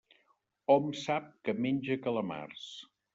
Hom sap que menja calamars.